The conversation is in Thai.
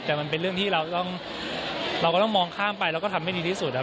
แต่มันเป็นเรื่องที่เราต้องเราก็ต้องมองข้ามไปแล้วก็ทำให้ดีที่สุด